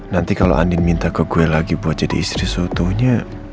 nanti kalau andin minta ke gue lagi buat jadi istri sotonya